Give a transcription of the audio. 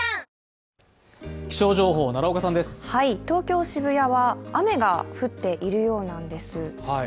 東京・渋谷は雨が降っているようなんです。